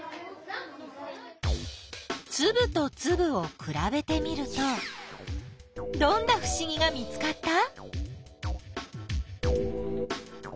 つぶとつぶをくらべてみるとどんなふしぎが見つかった？